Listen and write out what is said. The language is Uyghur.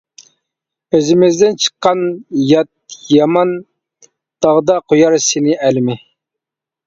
ئۆزىمىزدىن چىققان يات يامان، داغدا قويار سېنى ئەلىمى.